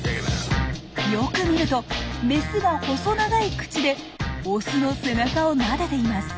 よく見るとメスが細長い口でオスの背中をなでています。